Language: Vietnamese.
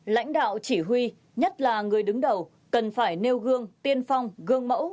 lãnh đạo chỉ huy nhất là người đứng đầu cần phải nêu gương tiên phong gương mẫu